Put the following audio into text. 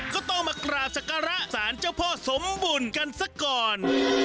ก็ต้องมากราบสักการะสารเจ้าพ่อสมบุญกันซะก่อน